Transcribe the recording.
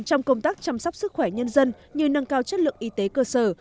trong công tác chăm sóc sức khỏe nhân dân như nâng cao chất lượng y tế cơ sở